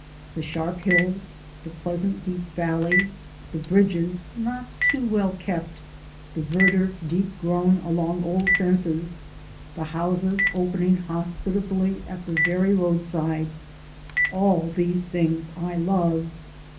The sharp hills, the pleasant deep valleys, the bridges not too well kept, the verdure deep grown along old fences, the houses opening hospitably at the very roadside, all these things I love.